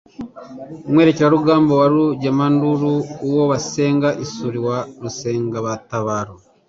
Mwerekerarugamba wa Rugemanduru, uwo basenga isuri wa Rusengatabaro,